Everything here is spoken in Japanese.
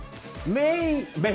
メイ。